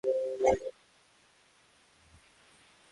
Waingereza wengi hupenda mpira